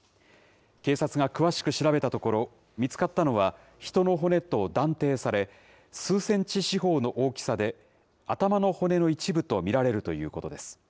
警察が詳しく調べたところ、見つかったのは人の骨と断定され、数センチ四方の大きさで、頭の骨の一部と見られるということです。